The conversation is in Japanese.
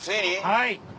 はい！